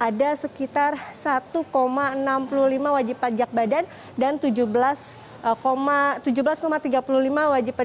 ada sekitar satu enam puluh lima wajib pajak badan dan tujuh belas tiga puluh lima wajib